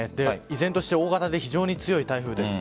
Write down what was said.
依然として大型で非常に強い台風です。